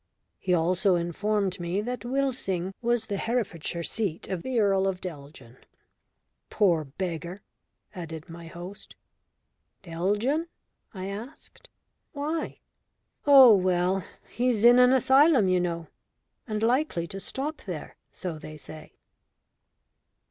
He also informed me that Wilsing was the Herefordshire seat of the Earl of Deljeon. "Poor beggar!" added my host. "Deljeon?" I asked. "Why?" "Oh, well he's in an asylum, you know. And likely to stop there, so they say."